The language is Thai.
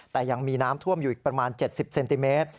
แต่ยังมีน้ำท่วมอยู่อีกประมาณ๗๐เซนติเมตร